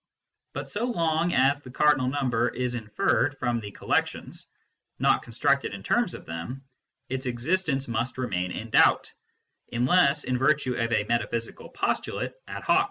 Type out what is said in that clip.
But so long as the cardinal number is inferred from the collections, not constructed in terms of them, its existence must remain in doubt, unless in virtue of a metaphysical postulate ad hoc.